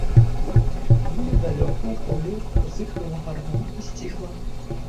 Недзе далёка ў полі зыкнула гармонь і сціхла.